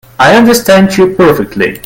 I understand you perfectly.